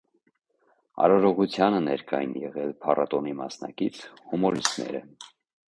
Արարողությանը ներկա են եղել փառատոնի մասնակից հումորիստները։